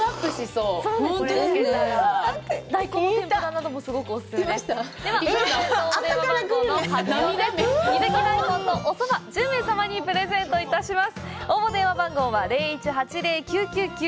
「伊吹大根と蕎麦」を１０名様にプレゼントいたします。